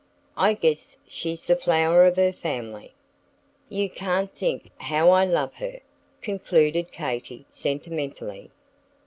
I guess she's the flower of her family. You can't think how I love her!" concluded Katy, sentimentally.